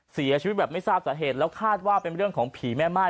เสียชีวิตแบบไม่ทราบสาเหตุแล้วคาดว่าเป็นเรื่องของผีแม่ม่าย